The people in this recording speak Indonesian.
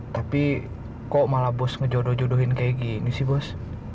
tapi kok malah bos ngejodoh jodohin kayak gini sih bos